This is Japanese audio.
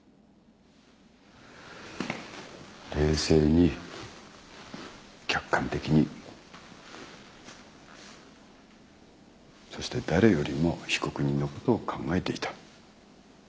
冷静に客観的にそして誰よりも被告人のことを考えていた。